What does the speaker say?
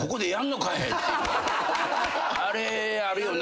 あれあるよな。